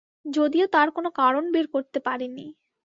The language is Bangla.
যদিও তার কোনো কারণ বের করতে পারিনি।